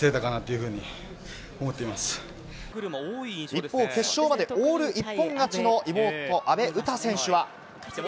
一方、決勝までオール一本勝ちの妹・阿部詩選手は。